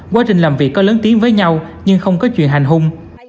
quá trình làm việc có lớn tiếng với nhau nhưng không có chuyện hành hung